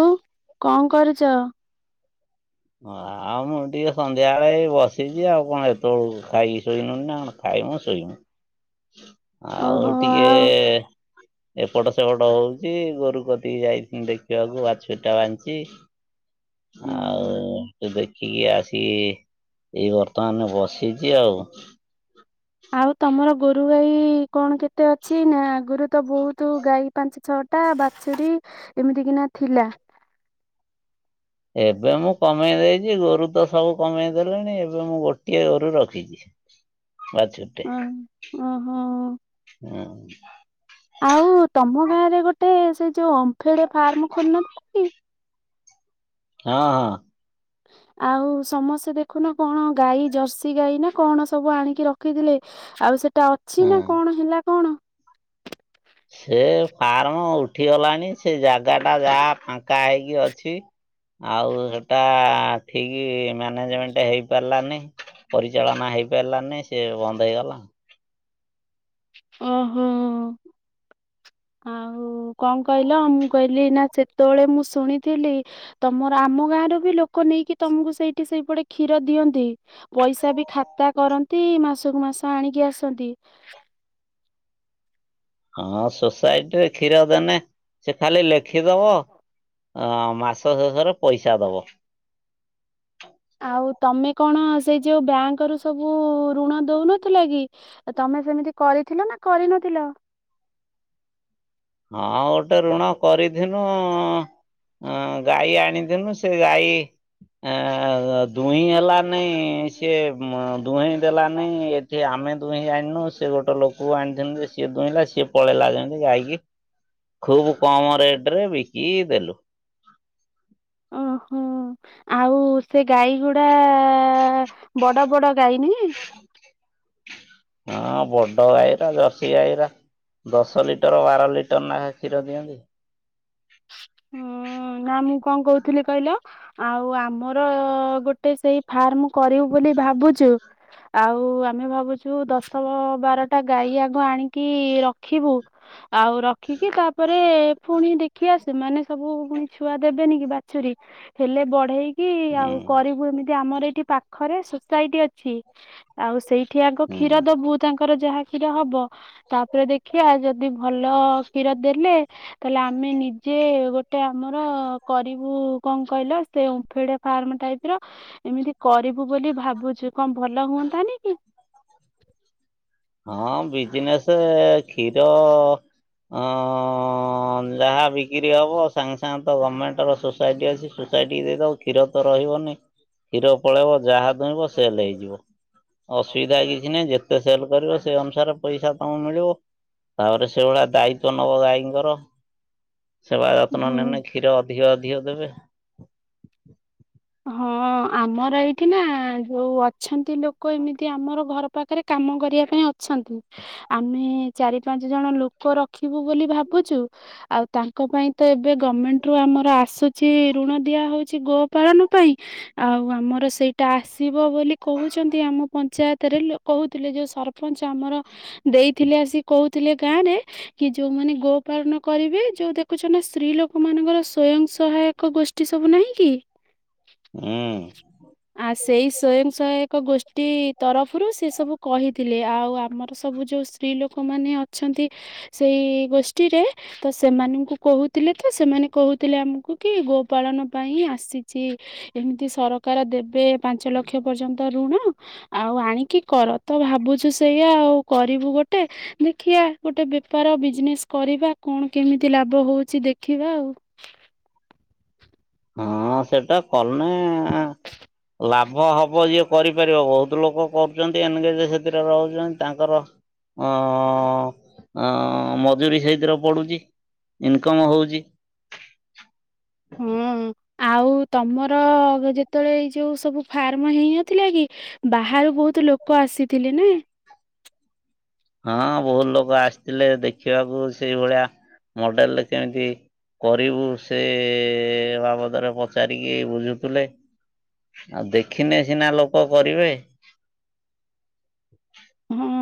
ଆଉ କଣ କରୁଛ? ହଁ ଆଉ ମୁଁ ଟିକେ ସନ୍ଧ୍ୟା ବେଳେ ଏଇ ବସିଛି ଆଉ କଣ ଏତେବେଳୁ ଖାଇକି ଶୋଇବିନି ନା କଣ? ଖାଇମୁ ଶୋଇମୁ। ଆଉ ଓହୋ ଟିକେ ଆଉ ଏପଟ ସେପଟ ହଉଛି ଗୋରୁ କ ଠିଆହେଇକି ଦେଖିଲାବେଳକୁ ବାଛୁରିଟା ବାନ୍ଧିଚି ହୁଁ ଆଉ ଦେଖ ଏଇ ଆସିକି ଏଇ ବର୍ତ୍ତମାନ ବସିଛି ଆଉ ଆଉ ତମର ଗୋରୁ ଗାଈ କଣ କେତେ ଅଛି ନା ଗୋରୁ ତ ବହୁତ ଗାଈ ପାଞ୍ଚ ଛଅଟା ବାଛୁରୀ ଏମିତି କିିନା ଥିଲା ତ ଏବେ ମୁଁ କମେଇ ଦେଇଛି ଗୋରୁ ତ ସବୁ କମେଇ ଦେଲେଣି ଏବେ ମୁଁ ଗୋଟିଏ ଗୋରୁ ରଖିଛି। ଆଚ୍ଛା। ଅଁ ଓ ହ। ହୁଁ। ଆଉ ତମ ଗାଁରେ ଗୋଟେ ସେ ଯୋଉ ଓମ୍ଫେଡ ଫାର୍ମ ଖୋଲିନଥିଲା କି? ହଁ ହଁ। ଆଉ ସମସ୍ତେ ଦେଖୁନା କଣ ଗାଈ ଜର୍ସି ଗାଈ ନା କଣ ସବୁ ଆଣିକି ରଖିଥିଲେ। ଆଉ ସେଟା ଅଛି ନା ହଁ। କଣ ହେଲା କଣ? ସେ ଫାର୍ମ ଉଠିଗଲାଣି ସେ ଜାଗା ଟା ଯାହା ଫାଙ୍କା ହେଇକି ଅଛି। ଆଉ ସେଟା ଠିକ ମ୍ୟାନେଜମେଣ୍ଟ ହେଇପାରିଲାନି। ପରିଚାଳନା ହେଇପାରିଲାନି ସେ ବନ୍ଦ ହେଇଗଲା। ଓହୋ। ଆଉ କଣ କହିଲ ମୁଁ କହିଲି ନା ସେତେବେଳେ ମୁଁ ଶୁଣିଥିଲି। ତମର ଆମ ଗାଁରୁ ବି ଲୋକ ନେଇକି ତମକୁ ସେଇଠି ସେଇପଟେ କ୍ଷୀର ଦିଅନ୍ତି। ପଇସା ବି ଖାତା କରନ୍ତି ମାସକୁୁ ମାସ ଆଣିକି ଆସନ୍ତି। ହଁ ସୋସାଇଟିରେ କ୍ଷୀର ଦେନେ ସେ ଖାଲି ଲେଖିଦବ ମାସ ଶେଷରେ ପଇସା ଦବ। ଆଉ ତମେ କଣ ସେ ଯୋଉ ବ୍ୟାଙ୍କରୁ ସବୁ ଋଣ ଦଉନଥିଲେ କି ତମେ ସେମିତି କରିଥିଲ ନା କରିନଥିଲ? ହଁ ଗୋଟେ ଋଣ କରିଥିନୁ ଗାଈ ଆଣିଥିନୁ ସେ ଗାଇ ଆ ଦୁହିଁ ହେଲାନାଇଁ ସିଏ ଦୁହିଁଇ ଦେଲାନାଇ ଆମେ ଦୁହିଁ ଯାଣିନୁ ସେ ଗୋଟେ ଲୋକକୁ ଆଣିଛନ୍ତି। ସିଏ ଦୁହିଁଲା ସିଏ ପଳେଇଲା ଯେମିତି ଗାଇକି ଖୁବ କମ ରେଟରେ ବିକିଦେଲୁ। ଓହୋ ଆଉ ସେ ଗାଈ ଗୁଡା ବଡ ବଡ ଗାଈ ନା ହଁ ବଡ ଗାଈଗୁରା ଜର୍ସି ଗାଈଗୁରା ଦଶ ଲିଟର ବାର ଲି ଟର ନେଖା କ୍ଷୀର ଦିଅନ୍ତି। ହୁଁ ନା ମୁଁ କଁ କହୁଥିଲି କହିଲ ଆଉ ଆମର ଗୋଟେ ସେଇ ଫାର୍ମ କରିବୁ ବୋଲି ଭାବୁଚୁ ଆଉ ଆମେ ଭାବୁଚୁ ଦଶ ବ ବାରଟା ଗାଈ ଆଗ ଆଣିକି ରଖିବୁ ଆଉ ରଖିକି ତାପରେ ଫୁଣି ଦେଖିଆ ସି ସେମାନେ ସବୁ ପୁଣି ଛୁଆ ଦେବେନି କି ବାଛୁରୀ ହେଲେ ବଢେଇକି ହୁଁ ଆଉ କରି ବୁ ଏମିତି ଆମର ଏଇଠି ପାଖରେ ସୋସାଇଟି ଅଛି ଆଉ ସେଇ ଠି ଆଗ ହୁଁ କ୍ଷୀର ଦବୁ ତାଙ୍କର ଯାହା କ୍ଷୀର ହବ ତାପରେ ଦେଖିଆ ଯଦି ଭଲ କ୍ଷୀର ଦେଲେ ତାହେଲେ ଆମେ ନି ଯିଏ ଗୋଟେ ଆମର କରିବୁ କଁ କହିଲ ସେ ଓମ୍ପେଡ ଫାର୍ମ ଟାଇପ ର ଏମିତି କରିବୁ ବୋଲି ଭାବୁଚୁ କଁ ଭଲ ହୁଅନ୍ତା ନି କି ହଁ ବିଜିନେସେ କ୍ଷୀର ହଁ ଯାହା ବିକିରି ହବ ସାଙ୍ଗସାଙ୍ଗେ ତ ଗମେଣ୍ଟ ର ସୋ ସାଇଟି ଅଛି ସୋସାଇଟି କି ଦେଇଦବ କ୍ଷୀର ତ ରହିବନି। କ୍ଷୀର ପଳେଇବ ଯାହା ଦୁଇଁବ ସେଲ ହେଇଯିବ। ଅସୁବିଧା କିଛି ନାହିଁ ଯେତେ ସେଲ୍ କରିବ ସେ ଅନୁସାରେ ପଇସା ତମକୁ ମିଳିବ। ତାପରେ ସେଇଭଳିଆ ଦାୟିତ୍ବ ନବ ଗାଈଙ୍କର ସେବା ଯତ୍ନ ହୁଁ। ନେନେ କ୍ଷୀ କ୍ଷୀର ଅଧିକ ଅଧିକ ଦେବେ। ହଁ ହଁ ଆମର ଏଇଠି ନା ଯୋଉ ଅଛନ୍ତି ଲୋକ ଏମିତି ଆମର ଘର ପାଖରେ କାମ କରିବା ପାଇଁ ଅ ଛନ୍ତି। ଆମେ ଚାରି, ପାଞ୍ଚ ଜଣ ଲୋକ ରଖିବୁ ବୋଲି ଭାବୁଚୁ ଆଉ ତାଙ୍କ ପାଇଁ ତ ଏବେ ଗମେଣ୍ଟରୁ ଆମର ଆସୁଚି ଋଣ ଦିଆହଉଚି ଗୋପାଳନ। ପାଇଁ ଆଉ ଆମର ସେଇଟା ଆସିବ ବୋଲି କହୁଛନ୍ତି ଆମ ପଞ୍ଚାୟତରେ ଲୋ କହୁଥିଲେ ଯୋଉ ସରପଞ୍ଚ ଆମର ଦେଇଥିଲେ ଆସି କହୁଥିଲେ ଗାଁ ରେ କି ଯୋଉମାନେ ଗୋପାଳନ କରିବେ ଯୋଉ ଦେଖୁଚ ନା ସ୍ତ୍ରୀ ଲୋକ ମାନଙ୍କର ସ୍ଵୟଂ ସହାୟକ ଗୋ ଷ୍ଠୀ ସବୁ ନାହିଁ କି ଉଁ ଆ ସେଇ ସ୍ଵୟଂସହାୟକ ଗୋଷ୍ଠୀ ତରଫରୁ ସେ ସବୁ କହି ଥିଲେ ଆଉ ଆମର ସବୁ ଯଉ ସ୍ତ୍ରୀ ଲୋକମାନେ ଅଛନ୍ତି ସେଇ ଗୋଷ୍ଠୀରେ ତ ସେମାନଙ୍କୁ କହୁଥିଲେ ତ ସେମାନେ କହୁଥିଲେ ଆମକୁକି ଗୋପାଳନ ପାଇଁ ଆସି ଚି ଏମିତି ସରକାର ଦେବେ ପାଞ୍ଚ ଲକ୍ଷ ପର୍ଯ୍ୟନ୍ତ ଋଣ। ଆଉ ଆଣିକି କର ତ ଭାବୁଚୁ ସେଇଆ ଆଉ କରିବୁ ଗୋଟେ ଦେଖିଆ ଗୋଟେ ବେପାର ବିଜିନେସ କରିବା କଣ କେମିତି ଲାଭ ହଉଚି ଦେଖିବା ଆଉ। ହଁ ସେଟା କନେ ଲାଭ ହବ ଯିଏ କରିପାରିବ ବହୁତୁ ଲୋକ କରୁଚନ୍ତି ଏନଗେଜ ସେଥିରେ ରହୁଛନ୍ତି ତାଙ୍କର ଅ ଅ ମଜୁରୀ ସେଇଥିରେ ପଡୁଚି। ଇନକମ୍ ହଉଚି। ହଁ ଆଉ ତମର ଯେତେବେଳେ ଏଇ ଯୋଉ ସବୁ ଫାର୍ମ ହେଇନଥିଲା କି ବାହାରୁ ବହୁତୁ ଲୋକ ଆସିଥିଲେ ନା ହଁ ବହୁତ୍ ଲୋକ ଆସିଥିଲେ ଦେଖିବାକୁ ସେଇ ଭଳିଆ ମଡେଲରେ କେମିତି କରିବୁ ସେ ବାବଦରେ ପଚାରିକି ବୁଝୁଥୁଲେ। ଆ ଦେଖିନେ ସିନା ଲୋକ କରିବେ। ହୁଁ।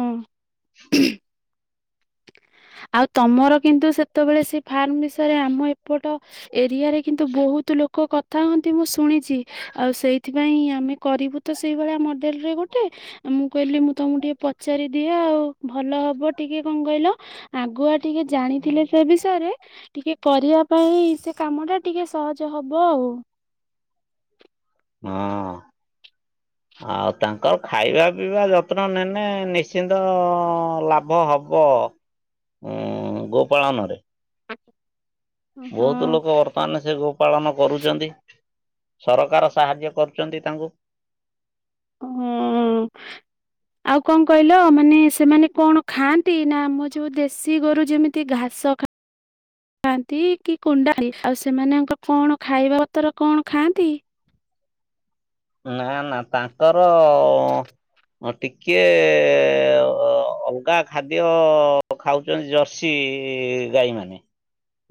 ଆଉ ତମର କିନ୍ତୁ ସେତବେଳେ ସେ ଫାର୍ମ ବିଷୟରେ ଆମ ଏପଟ ଏରିଆରେ କିନ୍ତୁ ବହୁତ୍ ଲୋକ କଥା ହୁଅନ୍ତି ମୁଁ ଶୁଣିଚି। ଆଉ ସେଇଥିପାଇଁ ଆମେ କରିବୁ ତ ସେଇଭଳିଆ ମଡେଲ୍ ରେ ଗୋଟେ। [unintelligible] ମୁଁ କହିଲି ମୁଁ ତୁମୁକୁ ଟିକେ ପଚାରିଦିଏ ଆଉ, ଭଲ ହବ ଟିକେ କଣ କହିଲ ଆଗୁଆ ଟିକେ ଜାଣିଥିଲେ ସେ ବିଷୟରେ ଟିକେ କରିଆ ପାଇଁ ସେ କାମଟା ଟିକେ ସହଜ ହବ ଆଉ। [unintelligible] ଆଉ ତାଙ୍କର ଖାଇବା ପିଇବା ଯତ୍ନ [unintelligible] ନିଶ୍ଚିନ୍ତ ଲା ଭ ହବ ଉଁ ଗୋ ପାଳନରେ। ବହୁତୁ ହଁ। ଲୋକ [unintelligible] [unintelligible] ସେ ଗୋପାଳନ କରୁଚନ୍ତି, ସରକାର ସାହାଯ୍ୟ କରୁଚନ୍ତି ତାଙ୍କୁ। ଉଁ ଆଉ କଣ କହିଲ ମାନେ ସେମାନେ କଣ ଖାଆନ୍ତି, ନା ଆମ ଯୋଉ ଦେଶୀ ଗୋରୁ ଯେମି ତି ଘାସ ଖା ଖାଆନ୍ତି କି କୁଣ୍ଡା [unintelligible] ଆଉ ସେମାନଙ୍କ କଣ ଖାଇବା ପତର କଣ ଖାଆନ୍ତି? ନା-ନା ତାଙ୍କର ହଁ ଟିକେ [unintelligible] ଅଲ୍ଗା ଖାଦ୍ୟ ଖାଉଚନ୍ତି ଜର୍ସି ଗାଈ ମାନେ।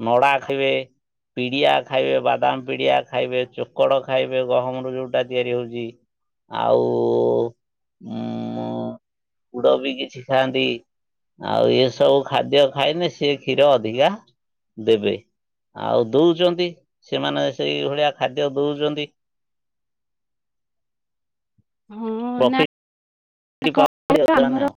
ନଡା ଖାଇବେ ପିଡିଆ ଖାଇବେ, ବାଦାମ୍ ପିଡିଆ ଖାଇବେ, ଚୋକଡ଼ ଖାଇବେ, ଗହମରୁ ଯୋଉ [unintelligible] ତିଆରି ହଉଚି। ଆଉ ଉଁ [unintelligible] ବି କିଛି ଖାଆନ୍ତି। ଆଉ ଏସବୁ ଖାଦ୍ୟ [unintelligible] ସିଏ କ୍ଷୀର ଅଧିକା ଦେବେ ଆଉ ଦଉଚନ୍ତି ସେମାନେ ସେଇ ଭଳିଆ ଖାଦ୍ୟ ଦଉଚନ୍ତି। ହୁଁ, ନା ପ୍ରଫିଟ କଣ କହିଲ ଆମର [unintelligible]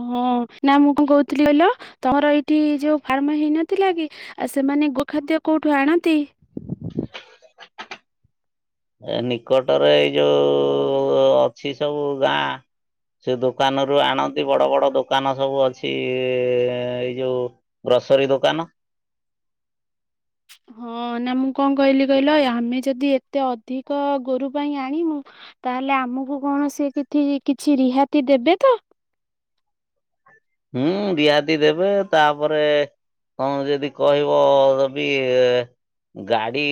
ଅ ହଁ ନା ମୁଁ କଣ କହୁଥିଲି କହିଲ ତମର ଏଇଠି ଯୋଉ ଫାର୍ମ ହେଇନଥିଲା କି ଆ ସେମାନେ ଗୋଖାଦ୍ୟ କୋଉଠୁ ଆଣନ୍ତି? ଏ ନିକଟରେ ଏଇ ଯୋଉ ଅଛି ସବୁ ଗାଁ ସେ ଦୋକାନରୁ ଆଣନ୍ତି ବଡ-ବଡ ଦୋକାନ ସବୁ ଅଛି ଏଇ ଯୋଉ ଗ୍ରସରୀ ଦୋକାନ ହଁ ନା ମୁଁ କଣ କହିଲି କହିଲ ଆମେ ଯଦି ଏତେ ଅଧିକ ଗୋରୁ ପାଇଁ [unintelligible] ତାହେଲେ ଆମୁକୁ କଣ ସେ [unintelligible] କିଛି ରିହାତି ଦେବେ ତ? ହୁଁ ରିହାତି ଦେବେ, ତାପରେ କଣ ଯେଦି କହିବ [unintelligible] ଗାଡି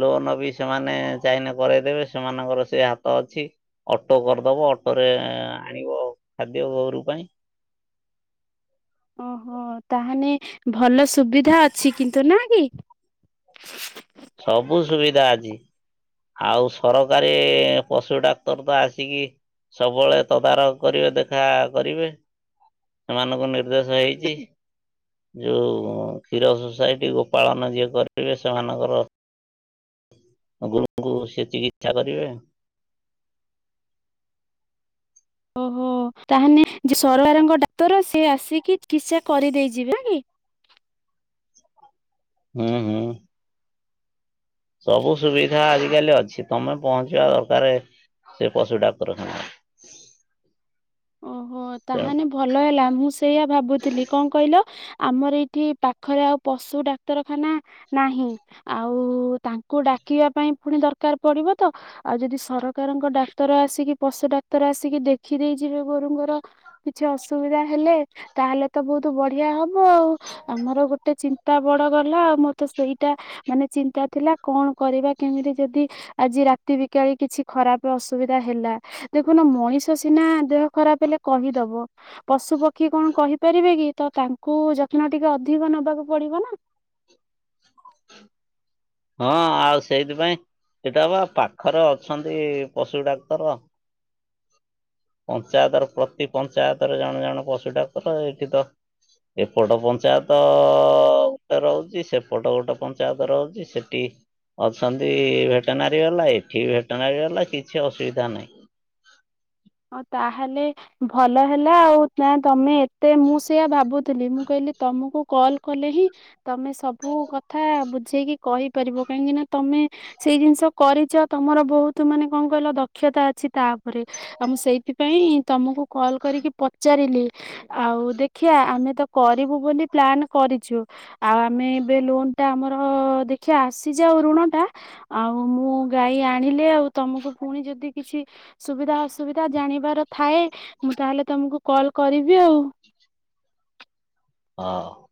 ଲୋନ ବି ସେମାନେ ଚାହିଁଲେ କରେଇଦେବେ, ସେମାନଙ୍କର ସେ ହା ତ ଅଛି, ଅଟୋ କରିଦବ ଅଟୋରେ ଆଣିବ ଖାଦ୍ୟ ଗୋରୁ ପାଇଁ। ହଁ [unintelligible] ଭଲ ସୁବିଧା ଅଛି କିନ୍ତୁ ନାଁ କି? ସବୁ ସୁବିଧା ଅଛି। ଆଉ ସରକାରୀ ପଶୁ ଡାକ୍ତର୍ ତ ଆସିକି ସବୁବେଳେ ତଦାରଖ୍ କରିବେ ଦେଖା କରିବେ, ସେମାନଙ୍କୁ ନିର୍ଦ୍ଦେଶ ହେଇ ଚି ଯୋଉ କ୍ଷୀର ସୋସାଇଟି ଗୋ ପାାଳନ ଯିଏ କରିବେ ସେମାନଙ୍କର ଗୋ ସେ ଚିକିତ୍ସା କରିବେ। ଓହୋ ତାହେନେ ଯେ ସରଆରଙ୍କ ଡାକ୍ତର ସିଏ ଆସିକି ଚିକିତ୍ସା କରିଦେଇଯିବେ, ଆଁ କି? ହୁଁ ହୁଁ। ସବୁ ସୁବିଧା ଆଜିକାଲି ଅଛି ତମେ ପହଞ୍ଚିବା ଦରକାରେ ସେ ପଶୁ ଡାକ୍ତରଖାନା। ଓହୋ ତେଣୁ ତାହାନେ ଭଲ ହେଲା ମୁଁ ସେଇଆ ଭାବୁଥିଲି କଁ କହିଲ ଆମର ଏଇଠି ପାଖରେ ଆଉ ପଶୁ ଡାକ୍ତରଖାନା ନାହିଁ। ଆଉ ତାଙ୍କୁ ଡାକିବା ପାଇଁ ଫୁଣି ଦରକାର ପଡ଼ିବ ତ। ଆଉ ଯଦି ସରକାରଙ୍କ ଡାକ୍ତର ଆସିକି ପଶୁ ଡାକ୍ତର ଆସିକି ଦେଖିଦେଇ ଯିବେ ଗୋରୁଙ୍କର କିଛି ଅସୁବିଧା ହେଲେ ତାହେଲେ ତ ବୋହୁତୁ ବଢ଼ିଆ ହବ ଆଉ ଆମର ଗୋଟେ ଚିନ୍ତା ବଡ଼ ଗଲା ଆଉ ମୋର ତ ସେଇଟା ମାନେ ଚିନ୍ତା ଥିଲା କଣ କରିବା କେମିତି ଯଦି ଆଜି ରାତି ବିକାଳି କିଛି ଖରାପ ଅସୁବିଧା ହେଲା ଦେଖୁନ ମଣିଷ ସିନା ଦେହ ଖରାପ ହେଲେ କହିଦବ। ପଶୁ ପକ୍ଷୀ କଣ କହିପାରିବେ କି? ତ ତାଙ୍କୁ ଯତ୍ନ ଟିକେ ଅଧିକ ନବାକୁ ପଡ଼ିବ ନା। ହଁ ଆଉ ସେଇଥିପାଇଁ ଏଟା ପା ପାଖରେ ଅଛନ୍ତି ପଶୁ ଡାକ୍ତର। ପଞ୍ଚାୟତର ପ୍ରତି ପଞ୍ଚାୟତରେ ଜଣେ ଜଣେ ପଶୁ ଡାକ୍ତର ଏଠି ତ ଏପଟ ପଞ୍ଚାୟତ ଓଟେ ରହୁଚି ସେପଟ ଗୋଟେ ପଞ୍ଚାୟତ ରହୁଚି ସେଟି ଅଛନ୍ତି ଭେଟେନାରୀ ବେଲା ଏଠି ବି ଭେଟେନାରୀ ବେଲା କିଛି ଅସୁବିଧା ନାହିଁ। ଅଁ ତାହେଲେ ଭଲ ହେଲା ଆଉ ନାଁ ତମେ ଏତେ ମୁଁ ସେଇଆ ଭାବୁ ଥିଲି ମୁଁ କହିଲି ତମୁକୁ କଲ କଲେ ହିଁ ତମେ ସବୁ କଥା ବୁଝେଇକି କହି ପାରିବ କାହିଁକି ନା ତମେ ସେଇ ଜିନିଷ କରିଚ ତମର ବୋହୁତୁ ମାନେ କଁ କହିଲ ଦକ୍ଷତା ଅଛି ତା ଓପରେ। ଆ ମୁଁ ସେଇଥିପାଇଁ ତମୁକୁ କଲ୍ କରିକି ପଚାରିଲି। ଆଉ ଦେଖିଆ ଆମେ ତ କରିବୁ ବୋଲି ପ୍ଲାନ୍ କରିଚୁ। ଆଉ ଆମେ ଏବେ ଲୋନ ଟା ଆମର ଦେଖିଆ ଆସିଯାଉ ଋଣଟା ଆଉ ମୁଁ ଗାଈ ଆଣିଲେ ଆଉ ତମୁକୁ ପୁଣି ଯଦି କିଛି ସୁବିଧା ହସ୍ ସୁବିଧା ଜାଣିବାର ଥାଏ ମୁଁ ତାହେଲେ ତମୁକୁ କଲ କରିବି ଆଉ। ହ।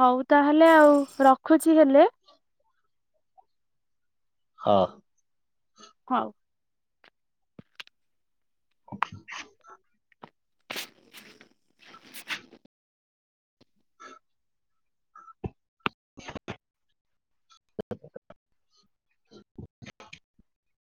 ହଉ ତାହେଲେ ଆଉ ରଖୁଛି ହେଲେ। ହ। ହଉ। [unintelligible] [unintelligible]